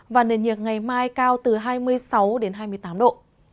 và nền nhiệt ngày mai cao từ hai mươi sáu đến hai mươi tám độ